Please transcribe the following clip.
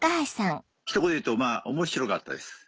ひと言で言うとまぁ面白かったです。